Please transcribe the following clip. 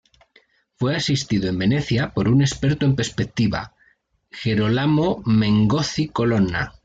Fue asistido en Venecia por un experto en perspectiva, Gerolamo Mengozzi-Colonna.